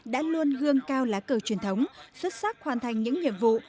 đã luôn gương cao lá cờ truyền thống xuất sắc hoàn thành những nhiệm vụ